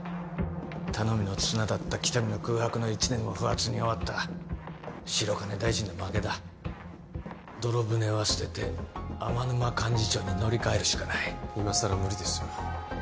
頼みの綱だった喜多見の空白の一年も不発に終わった白金大臣の負けだ泥舟は捨てて天沼幹事長に乗り換えるしかない今さら無理ですよ